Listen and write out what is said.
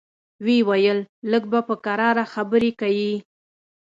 ويې ويل لږ به په کراره خبرې کيې.